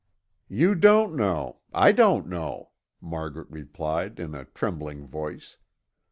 "You don't know; I don't know," Margaret replied in a trembling voice.